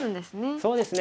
そうですね。